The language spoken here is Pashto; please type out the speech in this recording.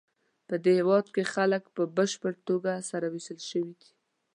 پدې هېواد کې خلک په بشپړه توګه سره وېشل شوي دي.